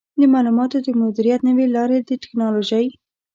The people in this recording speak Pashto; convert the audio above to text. د معلوماتو د مدیریت نوې لارې د ټکنالوژۍ